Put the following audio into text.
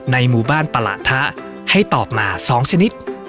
หมู่บ้านประหละทะให้ตอบมา๒ชนิด